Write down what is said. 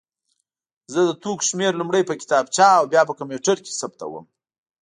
زه د توکو شمېر لومړی په کتابچه او بیا په کمپیوټر کې ثبتوم.